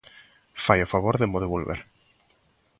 Fai o favor de mo devolver!